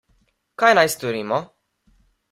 Kaj naj storimo?